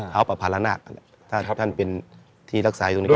หอพระภารนาคถ้าท่านเป็นที่รักษาอยู่ตรงนี้